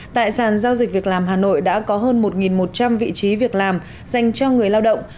tại sàn giao dịch việc làm hà nội đã có hơn một một trăm linh vị trí việc làm dành cho người lao động